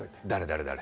誰？